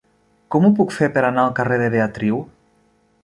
Com ho puc fer per anar al carrer de Beatriu?